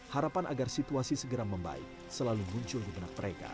harapan agar situasi segera membaik selalu muncul di benak mereka